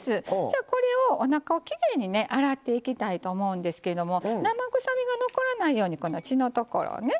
これをおなかをきれいにね洗っていきたいと思うんですが生臭みが残らないように血のところをね。